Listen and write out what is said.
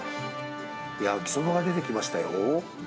焼きそばが出てきましたよ。